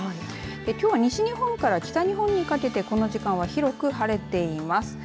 きょうは西日本から北日本にかけてこの時間は広く晴れています。